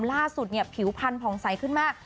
ล่าสุดผิวพันธุ์ผ่องใสขึ้นมา